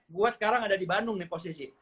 gue sekarang ada di bandung nih posisi